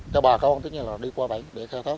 cho bà con đi qua bãnh